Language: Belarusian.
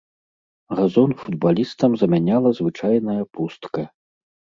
Газон футбалістам замяняла звычайная пустка.